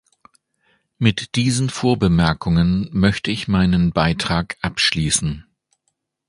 Mit diesen Vorbemerkungen möchte ich meinen Beitrag abschließen.